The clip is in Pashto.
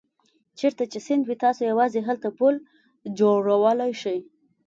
چېرته چې سیند وي تاسو هلته یوازې پل جوړولای شئ.